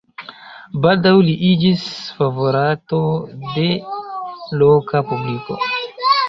Baldaŭ li iĝis favorato de loka publiko.